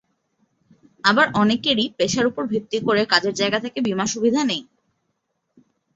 আবার অনেকেরই পেশার ওপর ভিত্তি করে কাজের জায়গা থেকে বিমা সুবিধা নেই।